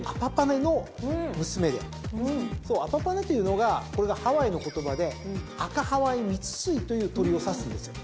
アパパネというのがこれがハワイの言葉でアカハワイミツスイという鳥を指すんですよ。